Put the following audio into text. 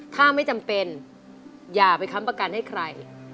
ถ้าไม่จำเป็นอย่าไปค้ำประกันให้ใคร